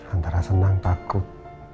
antara senang takut